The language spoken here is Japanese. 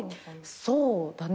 そうだね。